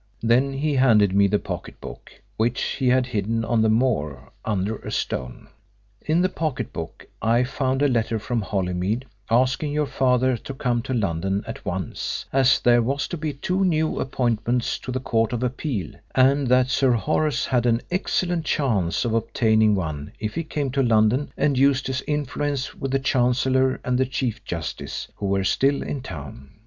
Then he handed me the pocket book, which he had hidden on the moor, under a stone. In the pocket book I found a letter from Holymead asking your father to come to London at once as there were to be two new appointments to the Court of Appeal, and that Sir Horace had an excellent chance of obtaining one if he came to London and used his influence with the Chancellor and the Chief Justice, who were still in town.